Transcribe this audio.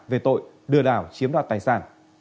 về tội đưa đảo chiếm đoạt tài sản